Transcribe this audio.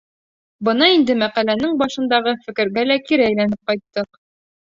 Бына инде мәҡәләнең башындағы фекергә лә кире әйләнеп ҡайттыҡ.